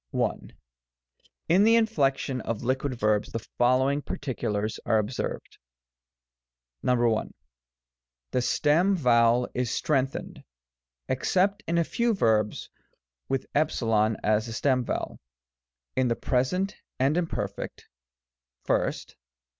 §Y0. §70. Liquid Veebs. I. In the inflection of Liquid Verbs the following particulars are observed : L The stem vowel is strengthened (except in a few verbs with t as a stem vowel) in the Present and Im perfect :— 1st.